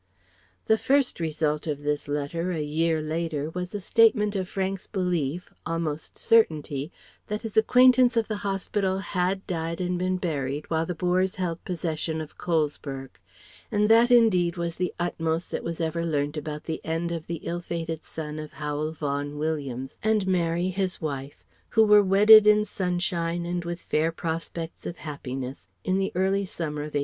The first result of this letter a year later was a statement of Frank's belief, almost certainty, that his acquaintance of the hospital had died and been buried while the Boers held possession of Colesberg; and that indeed was the utmost that was ever learnt about the end of the ill fated son of Howel Vaughan Williams and Mary his wife, who were wedded in sunshine and with fair prospects of happiness in the early summer of 1874.